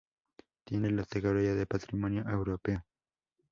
Tiene la categoría de Patrimonio Europeo.